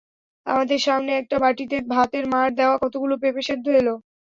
আমাদের সামনে একটা বাটিতে ভাতের মাড় দেওয়া কতগুলো পেঁপে সেদ্ধ এল।